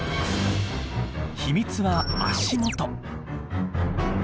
秘密は足元。